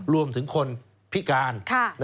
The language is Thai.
รวมถึงคนพิการ